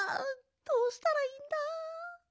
どうしたらいいんだ？